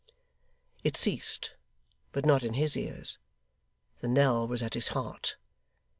It ceased; but not in his ears. The knell was at his heart.